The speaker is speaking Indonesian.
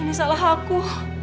ini salah aku